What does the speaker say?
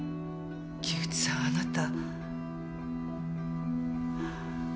木内さんあなた。